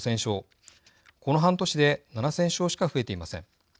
この半年で７，０００床しか増えていません。